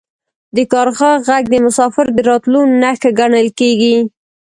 د کارغه غږ د مسافر د راتلو نښه ګڼل کیږي.